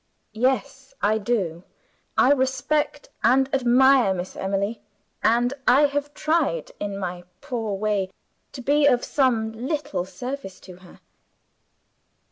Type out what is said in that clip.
"Yes, I do. I respect and admire Miss Emily; and I have tried, in my poor way, to be of some little service to her."